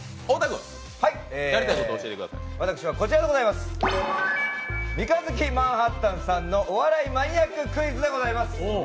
私はこちらでございます、三日月マンハッタンさんのお笑いマニアッククイズでございます。